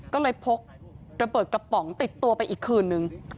ก็เลยพกระเบิดกระป๋องติดตัวไปอีกคืนนึง